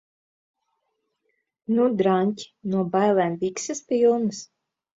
Nu, draņķi? No bailēm bikses pilnas?